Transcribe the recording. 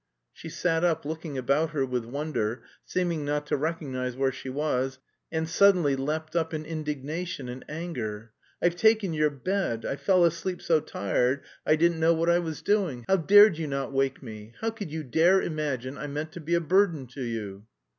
She sat up, looking about her with wonder, seeming not to recognise where she was, and suddenly leapt up in indignation and anger. "I've taken your bed, I fell asleep so tired I didn't know what I was doing; how dared you not wake me? How could you dare imagine I meant to be a burden to you?"